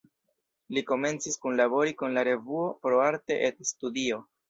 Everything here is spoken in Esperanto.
Li komencis kunlabori kun la revuo "Pro arte et studio".